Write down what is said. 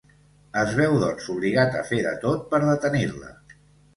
Es veu doncs obligat a fer de tot per detenir-la.